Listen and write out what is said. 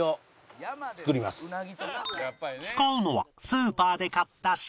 使うのはスーパーで買った白焼き